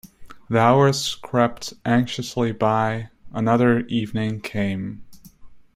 The hours crept anxiously by: another evening came.